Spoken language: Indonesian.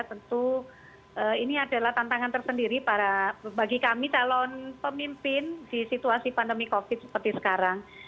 tentu ini adalah tantangan tersendiri bagi kami calon pemimpin di situasi pandemi covid seperti sekarang